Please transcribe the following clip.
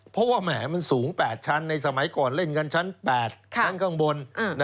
เพราะว่าแหมมันสูง๘ชั้นในสมัยก่อนเล่นกันชั้น๘ชั้นข้างบน